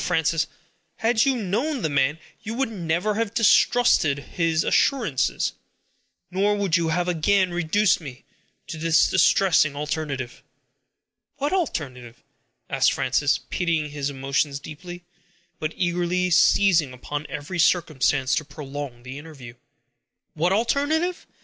Frances! had you known the man, you would never have distrusted his assurance; nor would you have again reduced me to this distressing alternative." "What alternative?" asked Frances, pitying his emotions deeply, but eagerly seizing upon every circumstance to prolong the interview. "What alternative!